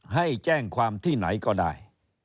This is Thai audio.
ให้แจ้งความที่ไหนก็ได้